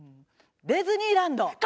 デズニーランド。